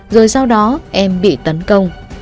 rồi sau đó em bị tấn công